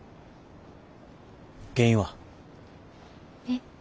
原因は？え？